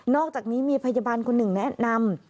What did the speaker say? อกจากนี้มีพยาบาลคนหนึ่งแนะนำ